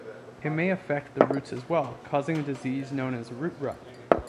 It may affect the roots as well, causing a disease known as root rot.